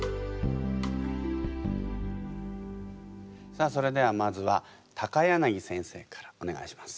さあそれではまずは柳先生からお願いします。